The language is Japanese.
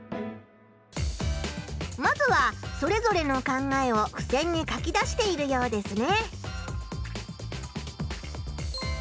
まずはそれぞれの考えをふせんに書き出しているようですね。